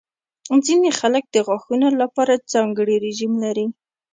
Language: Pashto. ځینې خلک د غاښونو لپاره ځانګړې رژیم لري.